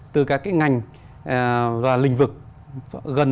từ các ngành và lĩnh vực gần